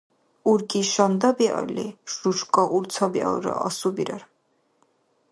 УркӀи шанда биалли, шушка урца биалра асубирар.